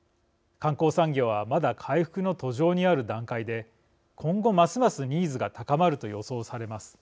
観光産業はまだ回復の途上にある段階で今後、ますますニーズが高まると予想されます。